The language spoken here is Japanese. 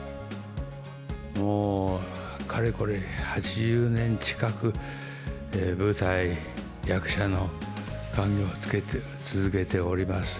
もうかれこれ８０年近く、舞台役者の家業を続けております。